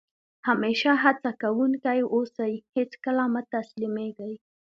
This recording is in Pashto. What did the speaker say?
همېشه هڅه کوونکی اوسى؛ هېڅ کله مه تسلیمېږي!